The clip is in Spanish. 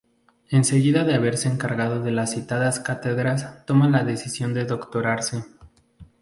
Enseguida de haberse encargado de las citadas cátedras toma la decisión de doctorarse.